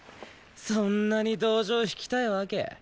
そんなに同情引きたいわけ？